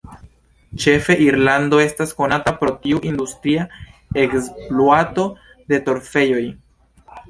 Ĉefe Irlando estas konata pro tiu industria ekspluato de torfejoj.